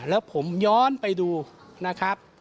แล้วผมย้อนไปดูนะครับ